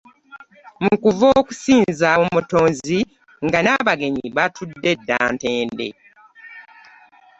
Mu kuva okusinza Omutonzi nga n'abagenyi baatudde dda ntende.